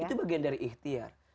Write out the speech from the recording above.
itu bagian dari ihtiar